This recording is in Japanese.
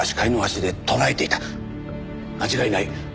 間違いない。